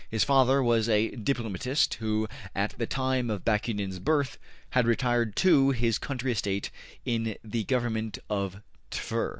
His father was a diplomatist, who at the time of Bakunin's birth had retired to his country estate in the Government of Tver.